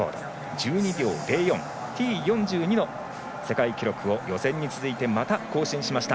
１２秒０４、Ｔ４２の世界記録を予選に続いてまた更新しました。